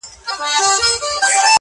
نه هغه تللې زمانه سته زه به چیري ځمه٫